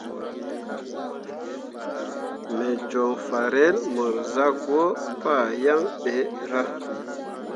Me joŋ farel mor zah gwǝǝ pah yaŋ ɓe ra.